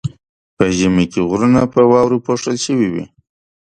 په ژمي کې غرونه په واورو پوښل شوي وي.